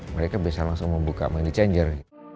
mereka bisa langsung membuka money changer